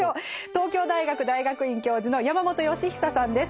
東京大学大学院教授の山本芳久さんです。